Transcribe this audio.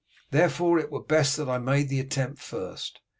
Therefore it were best that I made the attempt first.